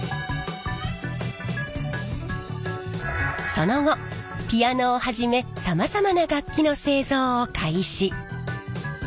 その後ピアノをはじめさまざまな楽器の製造を開始。